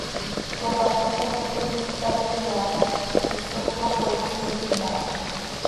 Cocazni com ilít quij cactim iha xo isoj com cói csiijim oo ha.